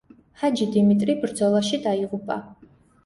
ჰაჯი დიმიტრი ბრძოლაში დაიღუპა.